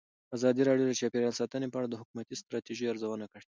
ازادي راډیو د چاپیریال ساتنه په اړه د حکومتي ستراتیژۍ ارزونه کړې.